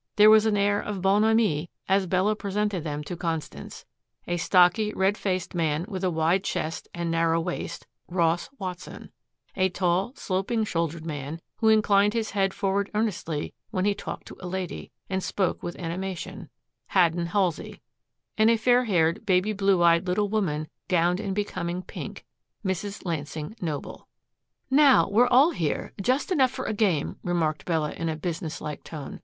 There was an air of bonhomie as Bella presented them to Constance a stocky, red faced man with a wide chest and narrow waist, Ross Watson; a tall, sloping shouldered man who inclined his head forward earnestly when he talked to a lady and spoke with animation, Haddon Halsey; and a fair haired, baby blue eyed little woman gowned in becoming pink, Mrs. Lansing Noble. "Now we're all here just enough for a game," remarked Bella in a business like tone.